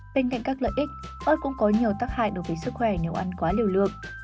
bên cạnh các lợi ích ớt cũng có nhiều tác hại đối với sức khỏe nếu ăn quá liều lượng